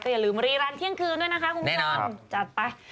การเที่ยงคืนด้วยนะคะคุณวีรัตน์จัดไป